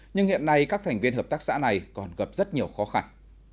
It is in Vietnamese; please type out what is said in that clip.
nhưng hiện nay các thành viên hợp tác xã này còn gặp rất nhiều khó khăn